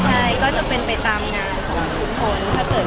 ใช่ก็จะเป็นไปตามงานของผู้คน